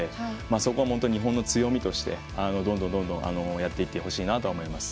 そこは日本の強みとしてどんどんやっていってほしいなと思います。